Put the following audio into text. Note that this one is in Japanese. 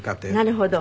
なるほど。